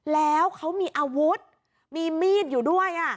แล้วเขามีอาวุธมีมีดอยู่ด้วย